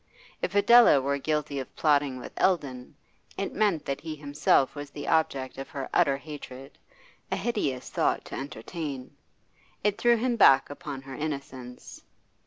If Adela were guilty of plotting with Eldon, it meant that he himself was the object of her utter hatred, a hideous thought to entertain. It threw him back upon her innocence.